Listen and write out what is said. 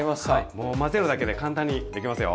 もう混ぜるだけで簡単にできますよ。